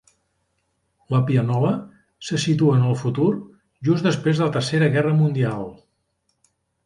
"La pianola" se situa en el futur, just després de la Tercera Guerra Mundial.